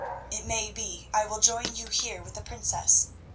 It may be I will join you here with the princess.